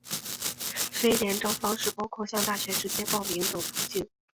非联招方式包括向大学直接报名等途径。